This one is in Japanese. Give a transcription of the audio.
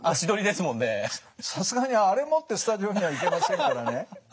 さすがにあれ持ってスタジオには行けませんからね。